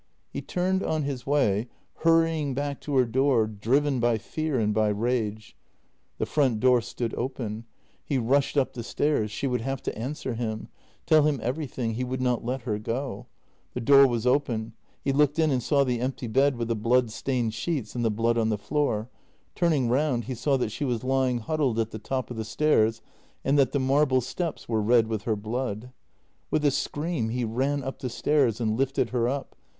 He turned on his way, hurrying back to her door, driven by fear and by rage. The front door stood open. He rushed up the stairs — she would have to answer him — tell him every thing — he would not let her go. The door was open; he looked in and saw the empty bed with the blood stained sheets and the blood on the floor. Turning round, he saw that she was lying huddled at the top of the stairs, and that the marble steps were red with her blood. With a scream he ran up the stairs and lifted her up.